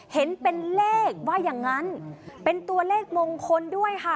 เห็นเป็นเลขว่าอย่างนั้นเป็นตัวเลขมงคลด้วยค่ะ